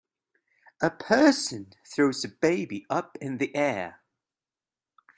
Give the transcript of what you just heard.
A person throws a baby up in the air.